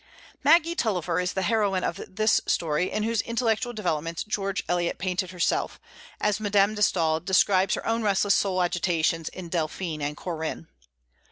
Maggie Tulliver is the heroine of this story, in whose intellectual developments George Eliot painted herself, as Madame De Staël describes her own restless soul agitations in "Delphine" and "Corinne."